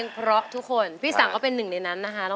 ร้องเพลงพร้อมทุกคนพี่สังก็เป็นหนึ่งในนั้นนะฮะ